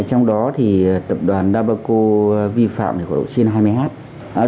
trong đó thì tập đoàn đa bà cô vi phạm của độ trên hai mươi hectare